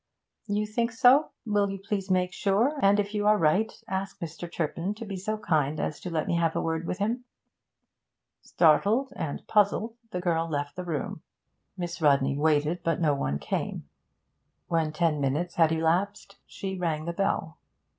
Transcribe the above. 'You think so? Will you please make sure, and, if you are right, ask Mr. Turpin to be so kind as to let me have a word with him.' Startled and puzzled, the girl left the room. Miss Rodney waited, but no one came. When ten minutes had elapsed she rang the bell.